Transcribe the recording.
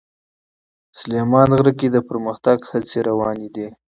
سلیمان غر کې د پرمختګ هڅې روانې دي.